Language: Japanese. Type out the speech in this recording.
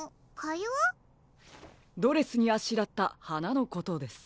ドレスにあしらったはなのことです。